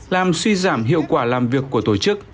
làm suy giảm hiệu quả làm việc của tổ chức